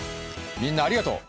みんなありがとう！